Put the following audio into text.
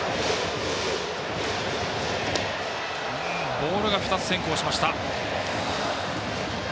ボールが２つ先行しました。